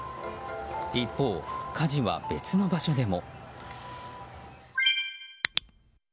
一方、火事は別の場所でも。